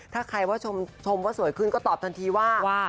ถ้าใครว่าชมว่าสวยขึ้นก็ตอบทันทีว่า